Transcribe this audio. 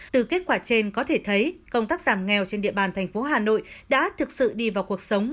từ kết quả trên có thể thấy công tác giảm nghèo trên địa bàn thành phố hà nội đã thực sự đi vào cuộc sống